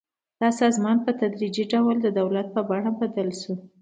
دا سازمان په تدریجي ډول د دولت په بڼه بدل شو.